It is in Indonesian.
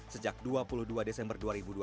sejak dua puluh dua desember dua ribu dua puluh